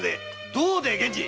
どうでい源次！